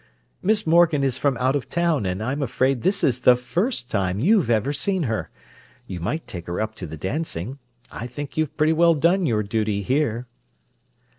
_ Miss Morgan is from out of town, and I'm afraid this is the first time you've ever seen her. You might take her up to the dancing; I think you've pretty well done your duty here."